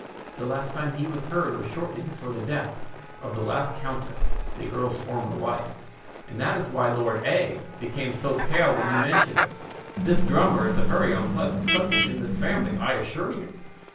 The last time he was heard was shortly before the death of the last countess (the earl's former wife), and that is why Lord A—— became so pale when you mentioned it. 'The drummer' is a very unpleasant subject in this family, I assure you!"